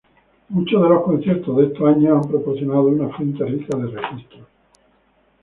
Muchos de los conciertos de esos años han proporcionado una fuente rica de registros.